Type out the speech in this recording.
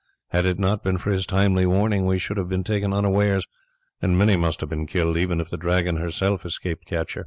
Had it not been for his timely warning we should have been taken unawares, and many must have been killed even if the Dragon herself escaped capture."